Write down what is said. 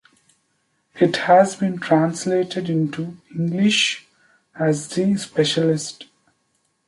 It has been translated into English as The Specialist.